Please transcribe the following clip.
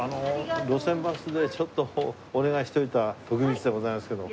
『路線バス』でちょっとお願いしておいた徳光でございますけど。